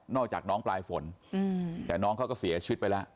จากน้องปลายฝนแต่น้องเขาก็เสียชีวิตไปแล้ว